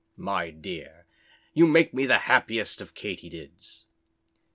"My dear, you make me the happiest of Katy Dids."